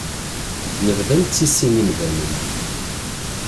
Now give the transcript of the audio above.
Nebda nettissin imdanen.